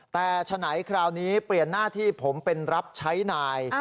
แต่ฉะไหนคราวนี้เปลี่ยนหน้าที่ผมเป็นรับใช้นาย